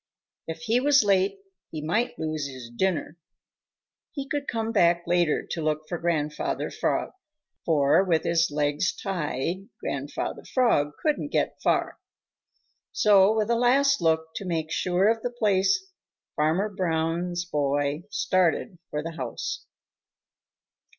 If he was late, he might lose his dinner. He could come back later to look for Grandfather Frog, for with his legs tied Grandfather Frog couldn't get far. So, with a last look to make sure of the place, Farmer Brown's boy started for the house.